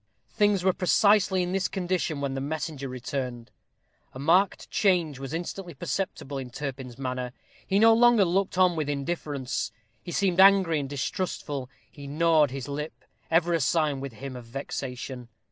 Things were precisely in this condition when the messenger returned. A marked change was instantly perceptible in Turpin's manner. He no longer looked on with indifference. He seemed angry and distrustful. He gnawed his lip, ever a sign with him of vexation.